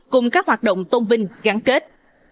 cùng các hoạt động tôn vinh gắn kết